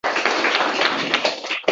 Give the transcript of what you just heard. Men senga mubtalo bo'ldim.